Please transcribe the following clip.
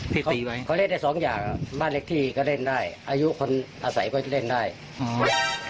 ตีไหมเขาเล่นได้สองอย่างบ้านเล็กที่ก็เล่นได้อายุคนอาศัยก็จะเล่นได้อืม